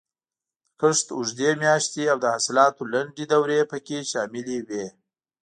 د کښت اوږدې میاشتې او د حاصلاتو لنډې دورې پکې شاملې وې.